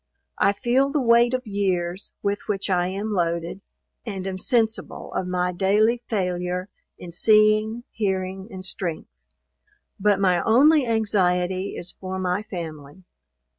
I feel the weight of years with which I am loaded, and am sensible of my daily failure in seeing, hearing and strength; but my only anxiety is for my family.